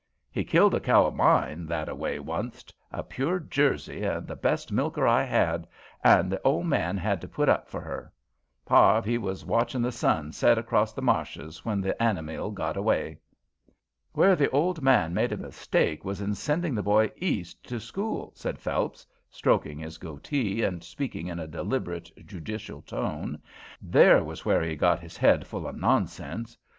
He killed a cow of mine that a way onct a pure Jersey and the best milker I had, an' the ole man had to put up for her. Harve, he was watchin' the sun set acrost the marshes when the anamile got away." "Where the old man made his mistake was in sending the boy East to school," said Phelps, stroking his goatee and speaking in a deliberate, judicial tone. "There was where he got his head full of nonsense.